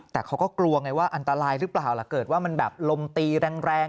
แต่เขาก็กลัวไงว่าอันตรายหรือเปล่าล่ะเกิดว่ามันแบบลมตีแรง